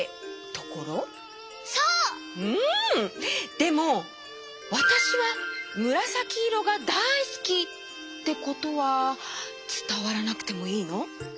でも「わたしはむらさきいろがだいすき」ってことはつたわらなくてもいいの？